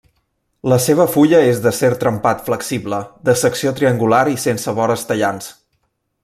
La seva fulla és d'acer trempat flexible, de secció triangular i sense vores tallants.